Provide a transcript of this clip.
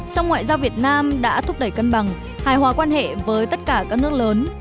song ngoại giao việt nam đã thúc đẩy cân bằng hài hòa quan hệ với tất cả các nước lớn